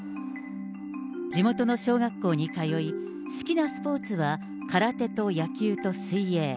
地元の小学校に通い、好きなスポーツは空手と野球と水泳。